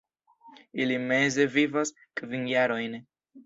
Ili meze vivas kvin jarojn.